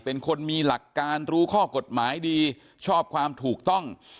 เป็นคนมีหลักการรู้ข้อกฎหมายดีชอบความถูกต้อง